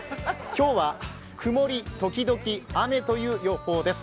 今日は曇り時々雨という予報です。